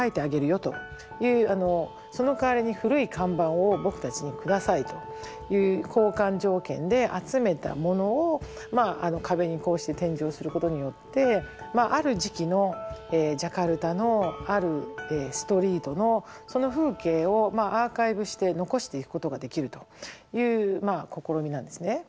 そのかわりに古い看板を僕たちに下さいという交換条件で集めたものを壁にこうして展示をすることによってまあある時期のジャカルタのあるストリートのその風景をアーカイブして残していくことができるという試みなんですね。